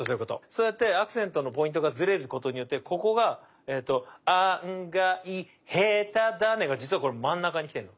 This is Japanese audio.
そうやってアクセントのポイントがずれることによってここがえっとあんがい、へただねが実はこの真ん中にきてるの。